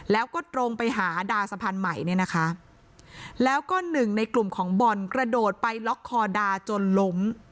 แล้วก็ตรงไปหาดาสะพานใหม่เนี่ยนะคะแล้วก็หนึ่งในกลุ่มของบอลกระโดดไปล็อกคอดาจนล้ม